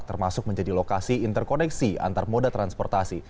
termasuk menjadi lokasi interkoneksi antar moda transportasi